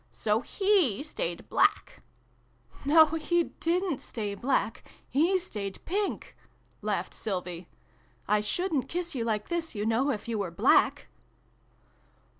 ''So he staid black !"" No, he didn't stay black ! He staid pink !" laughed Sylvie. " I shouldn't kiss you like this, you know, if you were black